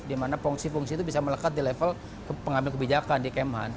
dimana fungsi fungsi itu bisa melekat di level pengambil kebijakan di kemhan